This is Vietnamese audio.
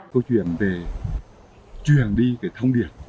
câu chuyện về truyền đi cái thông điệp